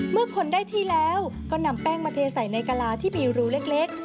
เมื่อคนได้ที่แล้วก็นำแป้งมาเทใส่ในกะลาที่มีรูเล็ก